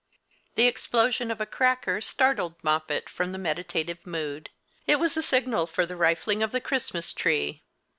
The explosion of a cracker startled Moppet from the meditative mood. It was the signal for the rifling of the Christmas tree.